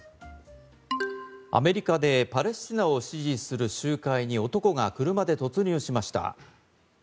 アメリカでパレスチナを支持する集会に男が車で突入しました。